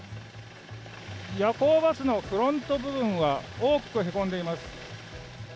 夜行バスのフロント部分は大きくへこんでいます。